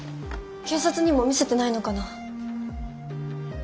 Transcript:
警察にも見せてないのかな？